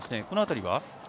この辺りは？